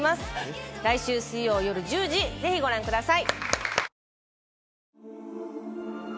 来週水曜よる１０時ぜひご覧ください。